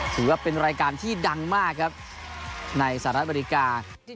ถือว่าเป็นรายการที่ดังมากครับในสหรัฐอเมริกา